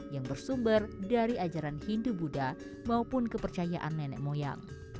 yang bersumber dari ajaran hindu buddha maupun kepercayaan nenek moyang